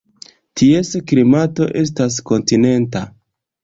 Ties klimato estas kontinenta.